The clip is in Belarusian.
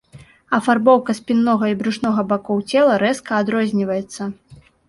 Афарбоўка спіннога і брушнога бакоў цела рэзка адрозніваецца.